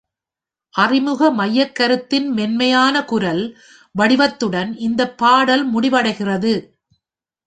அறிமுக மையக்கருத்தின் மென்மையான குரல் வடிவத்துடன் இந்த பாடல் முடிவடைகிறது.